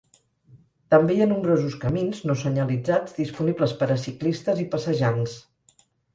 També hi ha nombrosos camins no senyalitzats disponibles per a ciclistes i passejants.